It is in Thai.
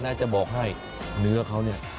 จะบอกให้เนื้อเขาเนี่ย